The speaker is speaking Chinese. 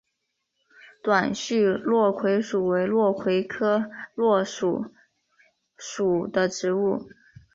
短序落葵薯为落葵科落葵薯属的植物。